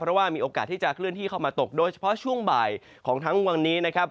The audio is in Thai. เพราะว่ามีโอกาสที่จะเคลื่อนที่เข้ามาตกโดยเฉพาะช่วงบ่ายของทั้งวันนี้นะครับ